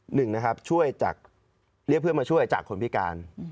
หนึ่งนะครับช่วยจากเรียกเพื่อนมาช่วยจากคนพิการ